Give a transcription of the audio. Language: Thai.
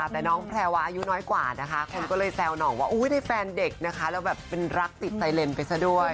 แต่น้องแพรวาอายุน้อยกว่านะคะคนก็เลยแซวหน่องว่าได้แฟนเด็กนะคะแล้วแบบเป็นรักติดไซเลนไปซะด้วย